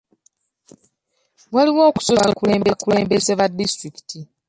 Waliwo okusosola mu bakulembeze ba disitulikiti.